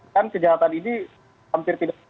dan kejahatan ini hampir tidak